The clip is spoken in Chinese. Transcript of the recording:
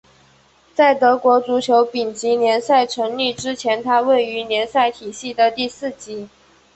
在德国足球丙级联赛成立之前它位于联赛体系的第四级。